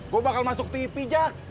gue bakal masuk tipi jack